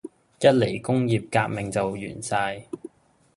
一嚟工業革命就完晒